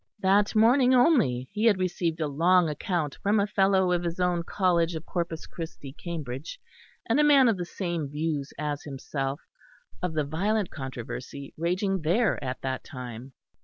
That morning only he had received a long account from a Fellow of his own college of Corpus Christi, Cambridge, and a man of the same views as himself, of the violent controversy raging there at that time.